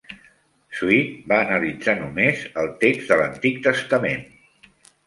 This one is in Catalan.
Swete va analitzar només el text de l'Antic Testament.